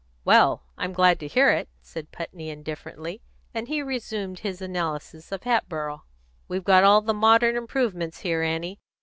"Well, I'm glad to hear it," said Putney, indifferently, and he resumed his analysis of Hatboro' "We've got all the modern improvements here, Annie.